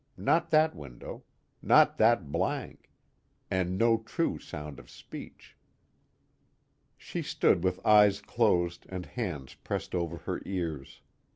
Not that window. Not that blank. And no true sound of speech. She stood with eyes closed and hands pressed over her ears.